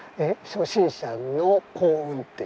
初心者の幸運って。